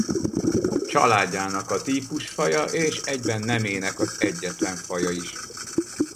Családjának a típusfaja és egyben nemének az egyetlen faja is.